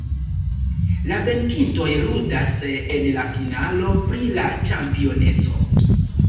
La venkintoj ludas en la finalo pri la ĉampioneco.